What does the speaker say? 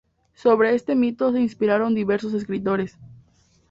Sobre este mito se inspiraron diversos escritores.